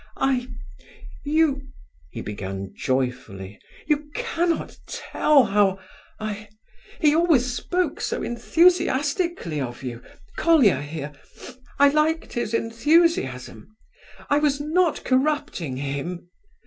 "I... you," he began joyfully. "You cannot tell how I... he always spoke so enthusiastically of you, Colia here; I liked his enthusiasm. I was not corrupting him!